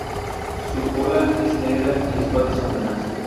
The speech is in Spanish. Su cola es negra y las patas son blancas.